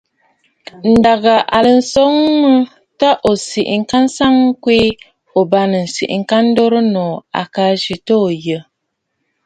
Ǹdèghà a ghɨrə nswoŋ mə ta ò siʼi nstsə ŋkweè, ̀o bâŋnə̀ ǹsiʼi ŋka dorə nòô. À ka kwɛɛ ta ò yɔʼɔ.